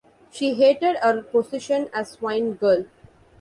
She hated her position as swine-girl.